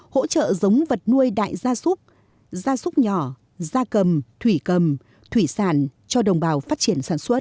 hỗ trợ giống vật nuôi đại gia súc gia súc nhỏ da cầm thủy cầm thủy sản cho đồng bào phát triển sản xuất